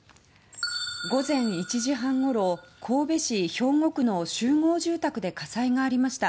午前１時半ごろ神戸市兵庫区の集合住宅で火災がありました。